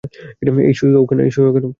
এই সুঁই কেনও?